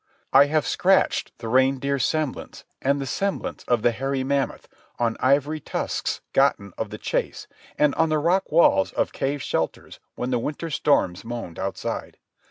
I have scratched the reindeer's semblance and the semblance of the hairy mammoth on ivory tusks gotten of the chase and on the rock walls of cave shelters when the winter storms moaned outside.